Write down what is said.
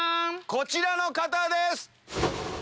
こちらの方です。